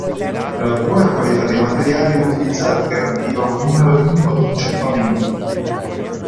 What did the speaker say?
La buona qualità dei materiali utilizzati garantiva un numero minimo di inceppamenti.